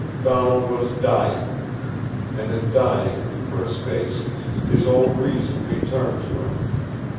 Donald was dying. And in dying, for a space, his old reason returned to him.